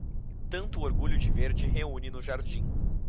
Tanto orgulho de verde reúne no jardim.